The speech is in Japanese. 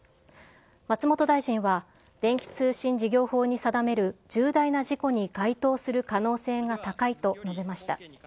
松本大臣は、電気通信事業法に定める重大な事故に該当する可能性が高いと述べました。